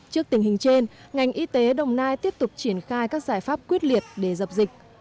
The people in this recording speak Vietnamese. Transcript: trước tình hình trên ngành y tế đồng nai tiếp tục triển khai các giải pháp quyết liệt để dập dịch